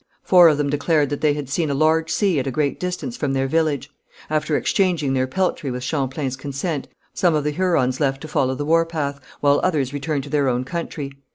Four of them declared that they had seen a large sea at a great distance from their village. After exchanging their peltry with Champlain's consent, some of the Hurons left to follow the war path, while others returned to their own country.